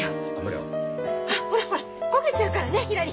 あっほらほら焦げちゃうからねひらり。